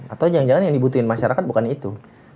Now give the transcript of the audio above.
atau jangan jangan yang dibutuhkan masyarakat bukan itu